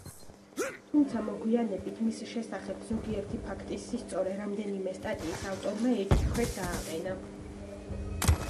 თუმცა, მოგვიანებით, მის შესახებ ზოგიერთი ფაქტის სისწორე რამდენიმე სტატიის ავტორმა ეჭვქვეშ დააყენა.